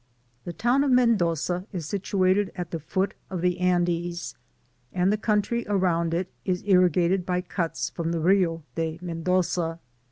The town of Mendoza is situated at the foot of the Andes^ and the country around it is irrigated by cuts from the Rio de Mendoza.